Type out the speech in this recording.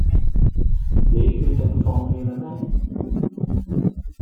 你決定放棄啦咩